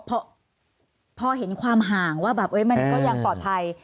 เพราะเพราะเห็นความห่างว่าแบบเฮ้ยมันก็ยังปลอดภัย